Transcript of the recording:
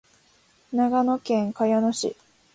長野県茅野市